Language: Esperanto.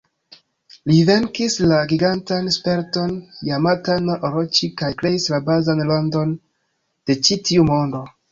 Li venkis la gigantan serpenton Jamata-no-Oroĉi kaj kreis la bazan landon de ĉi-tiu mondo.